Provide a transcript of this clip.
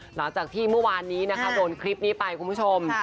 หลังจากที่เมื่อวานนี้นะคะโดนคลิปนี้ไปคุณผู้ชม